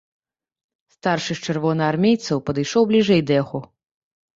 Старшы з чырвонаармейцаў падышоў бліжэй да яго.